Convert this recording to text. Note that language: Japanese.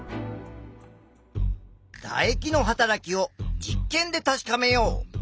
だ液のはたらきを実験で確かめよう！